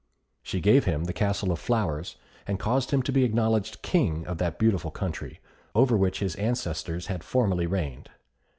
She gave him the Castle of Flowers, and caused him to be acknowledged king of that beautiful country, over which his ancestors had formerly reigned.